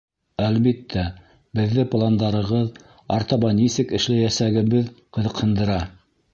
Әлбиттә, беҙҙе пландарығыҙ, артабан нисек эшләйәсәгебеҙ ҡыҙыҡһындыра.